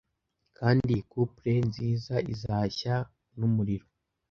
kandi iyi couple nziza izashya numuriro